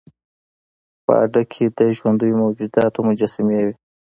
په هډه کې د ژوندیو موجوداتو مجسمې وې